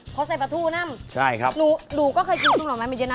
อ๋อเพราะใส่ปลาทูนะใช่ครับหนูก็เคยกินสุกหน่อไม้มาเยอะนะ